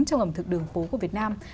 trong ẩm thực đường phố của việt nam